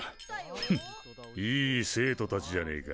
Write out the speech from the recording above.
フッいい生徒たちじゃねえか。